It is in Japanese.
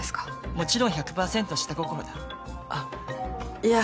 もちろん１００％下心だあっいや